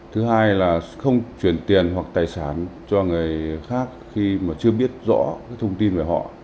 thứ hai là không chuyển tiền hoặc tài sản cho người khác khi mà chưa biết rõ thông tin về họ